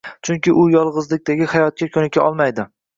Chunki u yolgʻizlikdagi hayotga koʻnika olmaydi.